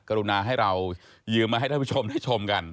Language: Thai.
รุณาให้เรายืมมาให้ท่านผู้ชมได้ชมกัน